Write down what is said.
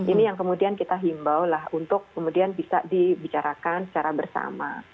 ini yang kemudian kita himbau lah untuk kemudian bisa dibicarakan secara bersama